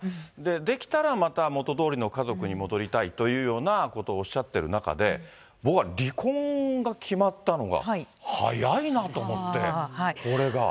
できたらまた元どおりの家族に戻りたいというようなことをおっしゃってる中で、僕は離婚が決まったのが早いなと思って、これが。